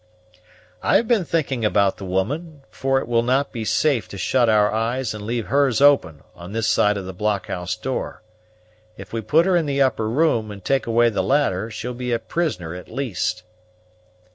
"I've been thinking about the woman; for it will not be safe to shut our eyes and leave hers open, on this side of the blockhouse door. If we put her in the upper room, and take away the ladder, she'll be a prisoner at least."